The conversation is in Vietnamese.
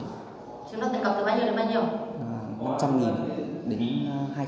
chiếm đoạt tiền cặp từ bao nhiêu đến bao nhiêu